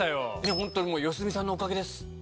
ホントにもう良純さんのおかげです。